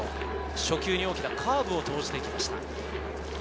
初球に大きなカーブを投じて来ました。